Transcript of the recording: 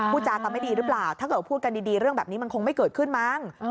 จากันไม่ดีหรือเปล่าถ้าเกิดพูดกันดีเรื่องแบบนี้มันคงไม่เกิดขึ้นมั้ง